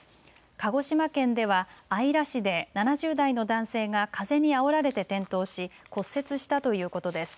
鹿児島県では姶良市で７０代の男性が風にあおられて転倒し骨折したということです。